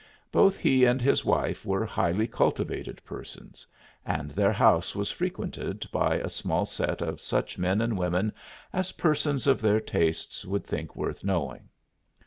Both he and his wife were highly cultivated persons, and their house was frequented by a small set of such men and women as persons of their tastes would think worth knowing.